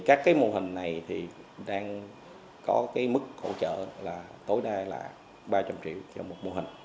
các mô hình này đang có mức hỗ trợ tối đa là ba trăm linh triệu trong một mô hình